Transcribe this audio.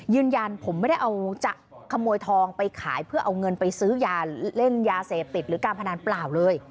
ยืนยันผมไม่ได้เอาจะขโมยทองไปขายเพื่อเอาเงินไปซื้อยาเล่นยาเสพติดหรือการพนันเปล่าเลย